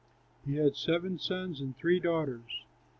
He had seven sons and three daughters.